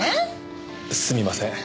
すみません。